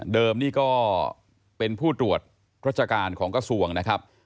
นี่ก็เป็นผู้ตรวจราชการของกระทรวงนะครับ